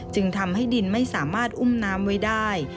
จึงทำให้ดินไม่สามารถอุ้มน้ำไว้ได้